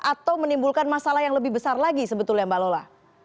atau menimbulkan masalah yang lebih besar lagi sebetulnya mbak lola